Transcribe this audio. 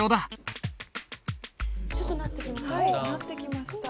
ちょっとなってきました？